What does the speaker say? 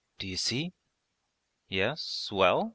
'D'you see?' 'Yes, well?'